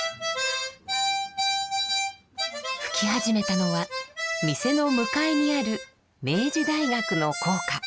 吹き始めたのは店の向かいにある明治大学の校歌。